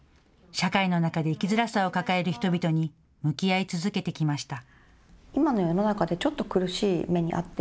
社会の中で生きづらさを抱える人々に向き合い続けてきました。